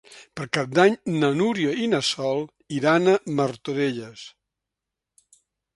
Per Cap d'Any na Núria i na Sol iran a Martorelles.